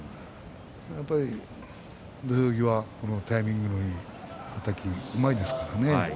やはり土俵際タイミングのいいはたき、うまいですからね。